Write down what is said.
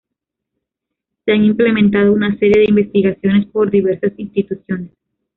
Se han implementado una serie de investigaciones por diversas instituciones.